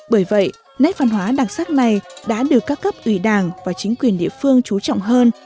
bởi vậy nét văn hóa đặc sắc này đã được các cấp ủy đảng và chính quyền địa phương trú trọng hơn